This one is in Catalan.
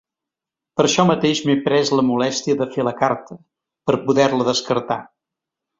Per això mateix m'he pres la molèstia de fer la carta, per poder-la descartar.